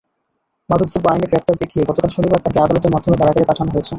মাদকদ্রব্য আইনে গ্রেপ্তার দেখিয়ে গতকাল শনিবার তাঁকে আদালতের মাধ্যমে কারাগারে পাঠানো হয়েছে।